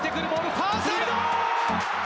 ファーサイド。